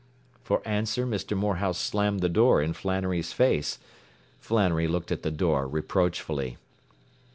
” For answer Mr. Morehouse slammed the door in Flannery's face. Flannery looked at the door reproachfully.